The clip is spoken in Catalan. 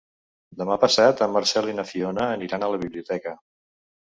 Demà passat en Marcel i na Fiona aniran a la biblioteca.